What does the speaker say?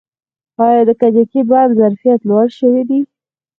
آیا د کجکي بند ظرفیت لوړ شوی دی؟